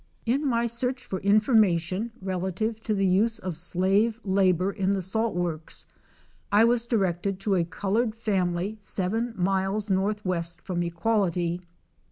2B1 In my search for information relative to the use of slave labor in the salt works, I was directed to a colored family seven miles north west from Equality.